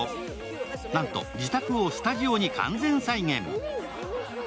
なんと自宅をスタジオに完全再現。